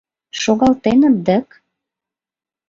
Шогалтеныт дык...